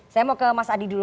saya mau ke mas adi dulu